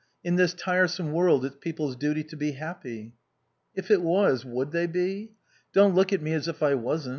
In this tiresome world it's people's duty to be happy." "If it was, would they be? Don't look at me as if I wasn't."